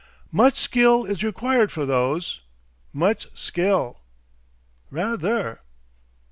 "Much skill is required for those! much skill!" "Rather!"